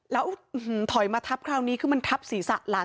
แล้วถอยมาทับคราวนี้คือมันทับศีรษะหลาน